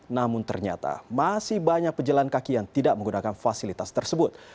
namun ternyata masih banyak pejalan kaki yang tidak menggunakan fasilitas tersebut